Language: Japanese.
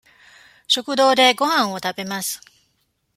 食堂でごはんを食べます。